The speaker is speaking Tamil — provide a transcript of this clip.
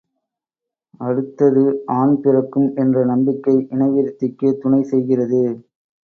அடுத்தது ஆண் பிறக்கும் என்ற நம்பிக்கை இனவிருத்திக்குத் துணை செய்கிறது.